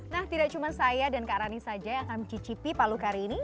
nah tidak cuma saya dan kak rani saja yang akan mencicipi palu kari ini